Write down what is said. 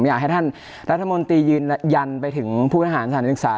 อยากให้ท่านรัฐมนตรียืนยันไปถึงผู้ทหารสถานศึกษา